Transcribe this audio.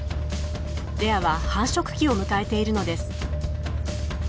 レアは繁殖期を迎えているのです。